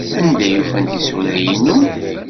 Anda ay ufan tisura-inu?